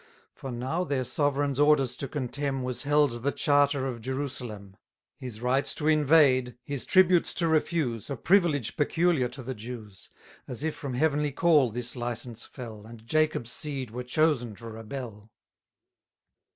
10 For now their sovereign's orders to contemn Was held the charter of Jerusalem; His rights to invade, his tributes to refuse, A privilege peculiar to the Jews; As if from heavenly call this licence fell, And Jacob's seed were chosen to rebel!